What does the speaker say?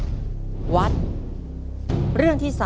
ถ้าพร้อมแล้วเรามาดูคำถามทั้ง๕เรื่องพร้อมกันเลยครับ